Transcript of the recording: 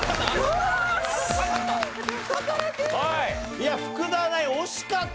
いや福澤ナイン惜しかった。